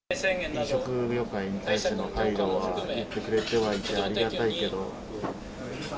飲食業界に対しての配慮を言ってくれてはいて、ありがたいけど。